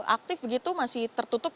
aktif begitu masih tertutup